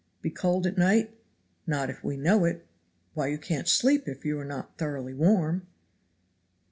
"Be cold at night? Not if we know it; why you can't sleep if you are not thoroughly warm!!"